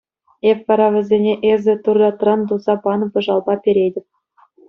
Эп вара вӗсене эсӗ туратран туса панӑ пӑшалпа перетӗп.